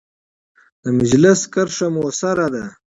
د مجلس کرښه مؤثره ده.